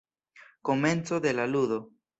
Komenco de la ludo.